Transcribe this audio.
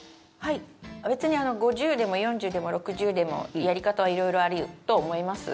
別に５０でも４０でも６０でもやり方は色々あると思います。